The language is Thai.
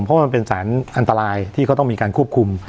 เพราะมันเป็นสารอันตรายที่เขาต้องมีการควบคุม